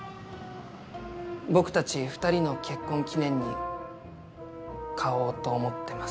僕たち二人の結婚記念に買おうと思ってます。